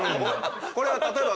これは例えば。